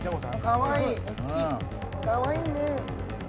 かわいいね。